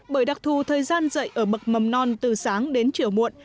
bởi đặc thù thời gian dạy ở bậc mầm non từ sáng đến chiều muộn